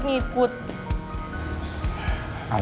aduh apa yang diketahui lo